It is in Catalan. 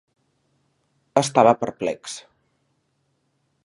Estava perplex.